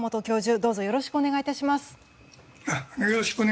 どうぞよろしくお願い致します。